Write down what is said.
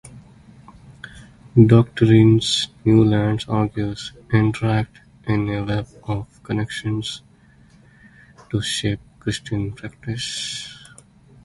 Doctrines, Newlands argues, interact in a web of connection to shape Christian practice.